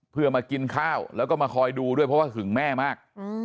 เพื่อมากินข้าวแล้วก็มาคอยดูด้วยเพราะว่าหึงแม่มาก